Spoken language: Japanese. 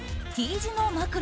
Ｔ字の枕。